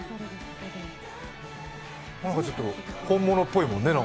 ちょっと本物っぽいもんね。